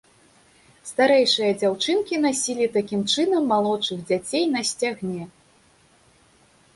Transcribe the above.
Старэйшыя дзяўчынкі насілі такім чынам малодшых дзяцей на сцягне.